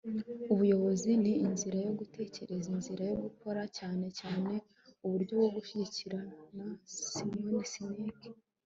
ubuyobozi ni inzira yo gutekereza, inzira yo gukora, cyane cyane, uburyo bwo gushyikirana. - simon sinek